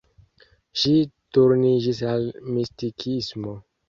Ŝi turniĝis al mistikismo.